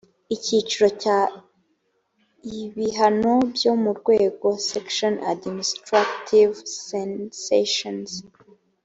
icyiciro cya ibihano byo mu rwego section administrative sanctions